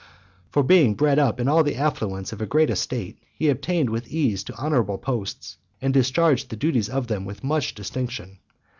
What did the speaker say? For being bred up in all the affluence of a great estate, he attained with ease to honourable posts, and discharged the duties of them with much distinction.